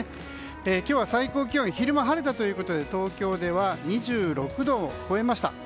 今日は最高気温が昼間、晴れたということで東京では２６度を超えました。